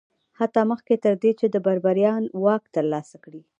حتی مخکې تر دې چې بربریان واک ترلاسه کړي